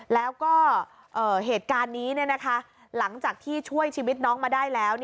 แล้วก็เหตุการณ์นี้หลังจากที่ช่วยชีวิตน้องมาได้แล้ว